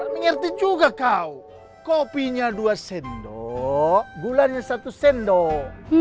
mengerti juga kau kopinya dua sendok gulanya satu sendok